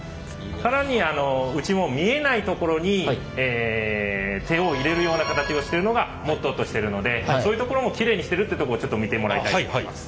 更にうちも見えないところに手を入れるような形をしてるのがモットーとしてるのでそういうところもきれいにしてるってとこをちょっと見てもらいたいと思います。